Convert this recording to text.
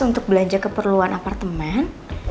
untuk belanja keperluan apartemen